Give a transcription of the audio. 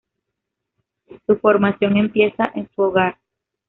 Su formación empieza en su hogar.